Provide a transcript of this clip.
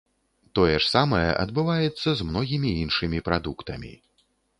Тое ж самае адбываецца з многімі іншымі прадуктамі.